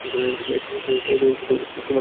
এতে তোমার কোনো দোষ নেই।